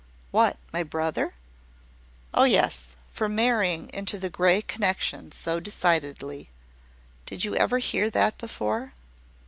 "What, my brother?" "Oh, yes; for marrying into the Grey connection so decidedly. Did you ever hear that before?"